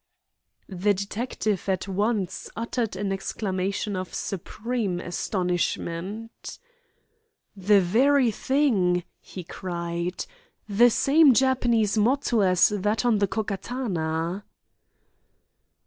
The detective at once uttered an exclamation of supreme astonishment. "The very thing!" he cried. "The same Japanese motto as that on the Ko Katana!"